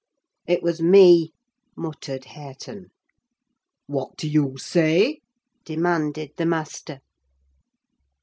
"It was me," muttered Hareton. "What do you say?" demanded the master.